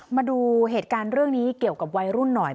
มาดูเกี่ยวกับวัยรุ่นหน่อยสินะ